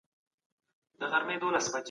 طاووس 🦚